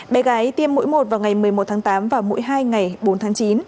bé gái tiêm mũi một vào ngày một mươi một tháng tám và mỗi hai ngày bốn tháng chín